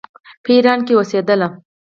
په ایران کې اوسېدل.